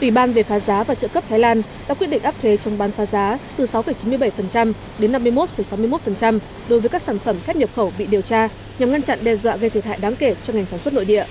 ủy ban về phá giá và trợ cấp thái lan đã quyết định áp thuế chống bán phá giá từ sáu chín mươi bảy đến năm mươi một sáu mươi một đối với các sản phẩm thép nhập khẩu bị điều tra nhằm ngăn chặn đe dọa gây thiệt hại đáng kể cho ngành sản xuất nội địa